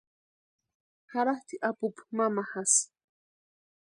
Jaratʼi apupu mamajasï.